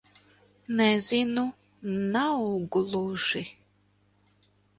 Nezinu. Nav gluži...